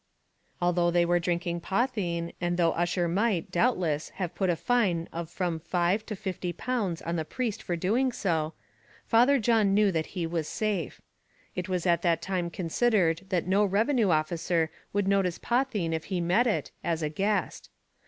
Although they were drinking potheen, and though Ussher might, doubtless, have put a fine of from five to fifty pounds on the priest for doing so, Father John knew that he was safe. It was at that time considered that no revenue officer would notice potheen if he met it, as a guest.